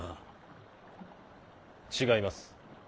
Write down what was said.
違います。